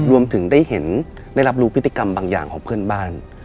รวมถึงได้เห็นได้รับรู้พิธีกรรมบางอย่างของเพื่อนบ้าน